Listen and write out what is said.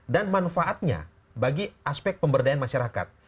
dan manfaatnya bagi aspek pemberdayaan masyarakat